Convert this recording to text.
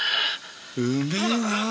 うめえなぁ。